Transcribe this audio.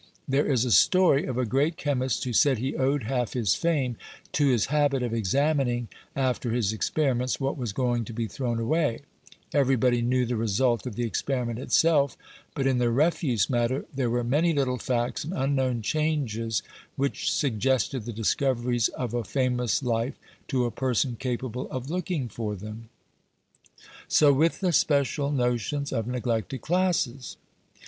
There is a story of a great chemist who said he owed half his fame to his habit of examining after his experiments, what was going to be thrown away: everybody knew the result of the experiment itself, but in the refuse matter there were many little facts and unknown changes, which suggested the discoveries of a famous life to a person capable of looking for them. So with the special notions of neglected classes.